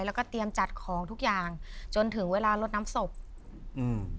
แล้วก็เตรียมจัดของทุกอย่างจนถึงเวลาลดน้ำศพอืม